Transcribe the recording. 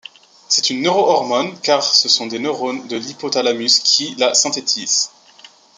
C’est une neurohormone, car ce sont des neurones de l’hypothalamus qui la synthétisent.